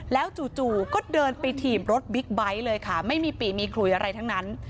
แล้วจู่ก็เดินไปถีบรถบิ๊กไบท์เลยค่ะไม่มีปีมีขลุยอะไรทั้งนั้น